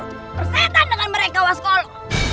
tersetan dengan mereka waskolo